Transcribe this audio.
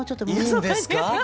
いいんですか？